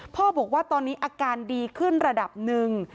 พ่อบอกว่าตอนนี้อาการดีขึ้นระดับหนึ่ง